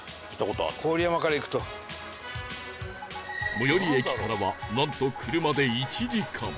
最寄り駅からはなんと車で１時間